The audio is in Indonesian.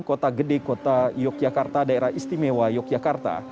kota gede kota yogyakarta daerah istimewa yogyakarta